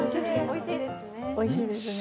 おいしいですね。